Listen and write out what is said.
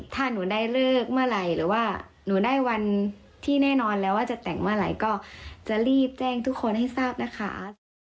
ถ้าหนูได้เลิกเมื่อไหร่หรือว่าหนูได้วันที่แน่นอนแล้วว่าจะแต่งเมื่อไหร่ก็จะรีบแจ้งทุกคนให้ทราบนะคะ